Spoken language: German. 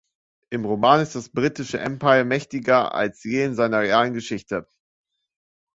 Im Roman ist das Britische Empire mächtiger als je in seiner realen Geschichte.